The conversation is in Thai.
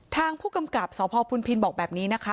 ทางผู้กำกับสพพุนพินบอกแบบนี้นะคะ